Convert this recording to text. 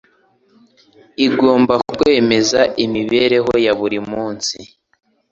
Igomba kweza imibereho ya buri munsi,